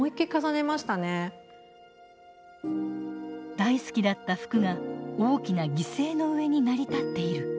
大好きだった服が大きな犠牲の上に成り立っている。